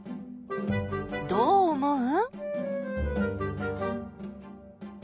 どう思う？